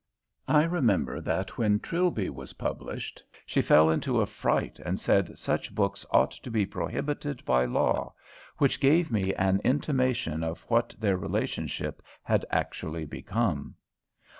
I remember that when "Trilby" was published she fell into a fright and said such books ought to be prohibited by law; which gave me an intimation of what their relationship had actually become.